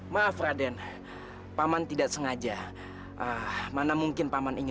hebat anak ini tidak bisa dianggap enteng